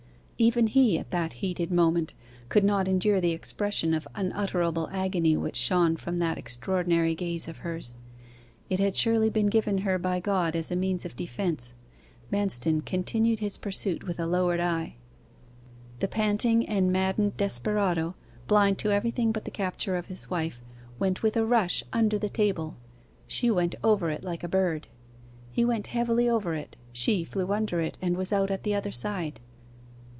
Even he, at that heated moment, could not endure the expression of unutterable agony which shone from that extraordinary gaze of hers. It had surely been given her by God as a means of defence. Manston continued his pursuit with a lowered eye. The panting and maddened desperado blind to everything but the capture of his wife went with a rush under the table: she went over it like a bird. He went heavily over it: she flew under it, and was out at the other side.